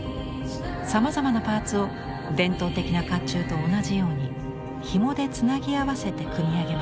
さまざまなパーツを伝統的な甲冑と同じようにひもでつなぎ合わせて組み上げました。